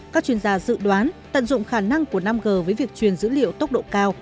các chuyên gia dự đoán tận dụng khả năng của năm g với việc truyền dữ liệu tốc độ cao